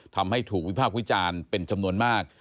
ทำให้ถูกวิพากษ์วิจารณ์เป็นจำนวนมาก